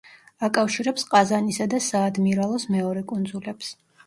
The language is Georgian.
აკავშირებს ყაზანისა და საადმირალოს მეორე კუნძულებს.